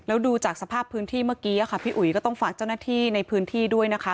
แล้วดูจากสภาพพื้นที่เมื่อกี้ค่ะพี่อุ๋ยก็ต้องฝากเจ้าหน้าที่ในพื้นที่ด้วยนะคะ